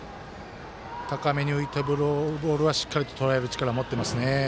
高めに浮いたボールはしっかりととらえる力を持っていますね。